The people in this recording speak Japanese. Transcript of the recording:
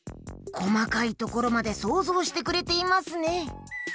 こまかいところまでそうぞうしてくれていますね。